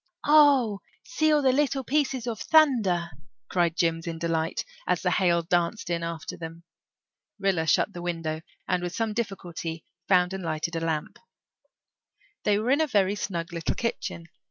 "Oh, see all the little pieces of thunder," cried Jims in delight, as the hail danced in after them. Rilla shut the window and with some difficulty found and lighted a lamp. They were in a very snug little kitchen.